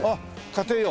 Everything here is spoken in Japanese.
家庭用？